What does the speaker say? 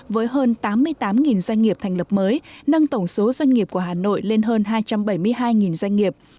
với hơn tám mươi tám doanh nghiệp thành lập mới nâng tổng số doanh nghiệp của hà nội lên hơn hai trăm bảy mươi hai doanh nghiệp